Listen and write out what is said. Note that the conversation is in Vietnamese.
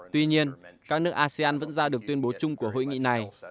tuy nhiên các nước asean vẫn ra được tuyên bố chung của hội nghị này